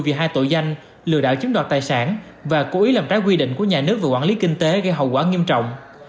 vì hai tội danh lừa đảo chiếm đoạt tài sản và cố ý làm trái quy định của nhà nước về quản lý kinh tế gây hậu quả nghiêm trọng